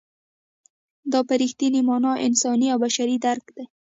دا په رښتینې مانا انساني او بشري درک دی.